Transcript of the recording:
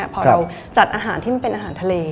พอเราจัดอาหารที่มันเป็นอาหารทะเล